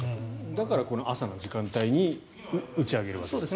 だから、朝の時間帯に打ち上げるわけですね。